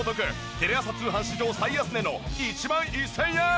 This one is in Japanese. テレ朝通販史上最安値の１万１０００円。